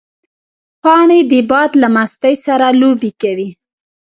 پاڼې د باد له مستۍ سره لوبې کوي